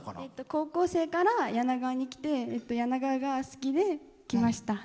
高校生から柳川に来て柳川が好きで来ました。